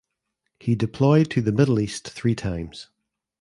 He deployed to the Middle East three times.